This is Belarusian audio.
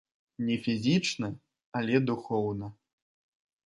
Не фізічна, але духоўна.